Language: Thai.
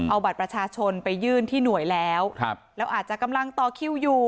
เอาบัตรประชาชนไปยื่นที่หน่วยแล้วครับแล้วอาจจะกำลังต่อคิวอยู่